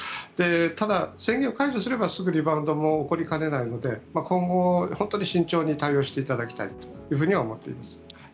ただ、宣言を解除すればすぐにリバウンドも起こりかねないので今後、本当に慎重に対応していただきたいとは思います。